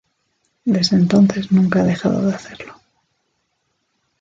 Desde entonces nunca ha dejado de hacerlo.